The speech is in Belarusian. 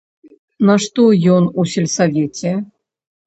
Нашто ён у сельсавеце!